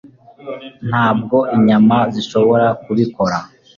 ntabwo inyama zishobora kubikora.